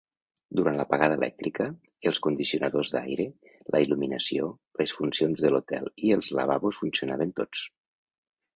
Durant l'apagada elèctrica, els condicionadors d'aire, la il·luminació, les funcions de l'hotel i els lavabos funcionaven tots.